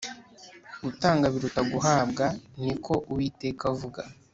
gutanga biruta guhabwa ni ko uwiteka avuga